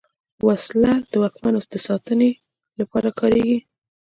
وسله د واکمنو د ساتنې لپاره کارېږي